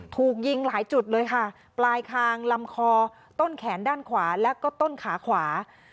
ถูกยิงหลายจุดเลยค่ะปลายคางลำคอต้นแขนด้านขวาแล้วก็ต้นขาขวา